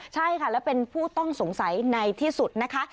ใช่ค่ะและเป็นผู้ต้องสงสัยในที่สุดนะคะ